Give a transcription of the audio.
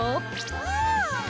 うん！